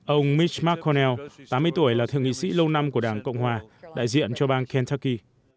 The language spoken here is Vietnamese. ông mitch mcconnell tám mươi tuổi là thường nghị sĩ lâu năm của đảng cộng hòa đại diện cho bang kentucky